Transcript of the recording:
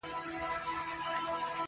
تا غرڅه غوندي اوتر اوتر کتلای،